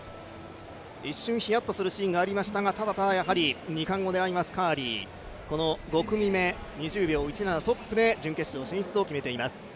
一瞬ヒヤッとするシーンがありましたが、ただ、２冠を狙いますカーリー、５組目、２０秒１７、トップで準決勝進出を決めています。